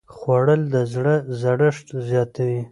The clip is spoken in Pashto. خوړل د زړه سړښت زیاتوي